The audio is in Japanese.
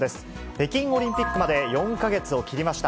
北京オリンピックまで４か月を切りました。